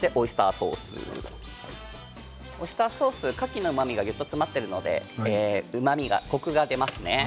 そしてオイスターソースかきのうまみがぎゅっと詰まっているので、うまみコクが出ますね。